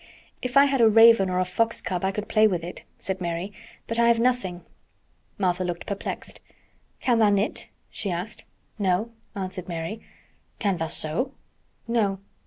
"If I had a raven or a fox cub I could play with it," said Mary. "But I have nothing." Martha looked perplexed. "Can tha' knit?" she asked. "No," answered Mary. "Can tha' sew?" "No."